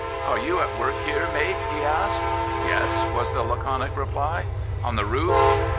"Are you at work here, mate?" he asked. "Yes," was the laconic reply. "On the roof?"